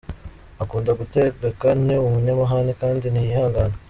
Akunda gutegeka, ni umunyamahane kandi ntiyihangana.